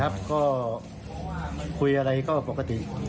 ครับก็คุยอะไรก็ปกติ